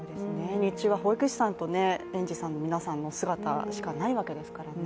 日中は保育士さんと園児さんの皆さんの姿しか、ないわけですからね。